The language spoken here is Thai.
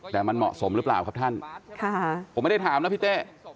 แต่มันเหมาะสมหรือเปล่าครับท่านผมไม่ได้ถามนะพี่เต้